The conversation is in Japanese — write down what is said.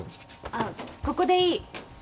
あぁここでいい。